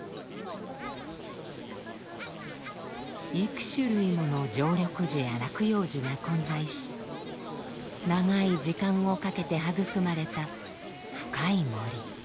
幾種類もの常緑樹や落葉樹が混在し長い時間をかけて育まれた深い森。